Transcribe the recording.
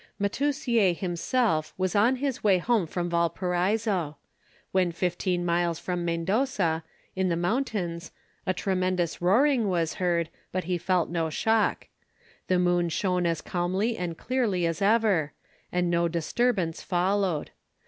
Matussiere himself was on his way home from Valparaiso. When fifteen miles from Mendoza, in the mountains, a tremendous roaring was heard, but he felt no shock. The moon shone as calmly and clearly as ever, and no disturbance followed.